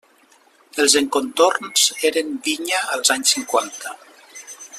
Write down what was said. Els encontorns eren vinya als anys cinquanta.